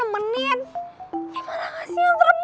emang gak sih yang serem banget kayak gini